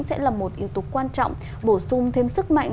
sẽ là một yếu tố quan trọng bổ sung thêm sức mạnh